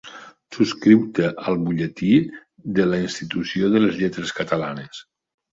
Subscriu-te al butlletí de la Institució de les Lletres Catalanes.